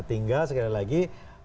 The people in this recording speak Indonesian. tinggal sekali lagi